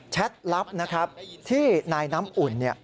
แชทลับนะครับที่นายน้ำอุ่นเนี่ย